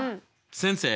先生。